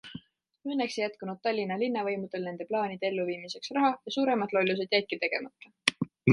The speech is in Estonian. Õnneks ei jätkunud Tallinna linnavõimudel nende plaanide elluviimiseks raha ja suuremad lollused jäidki tegemata.